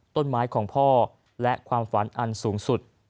ต้นไม้ของพ่อและความฝันอันสูงสุด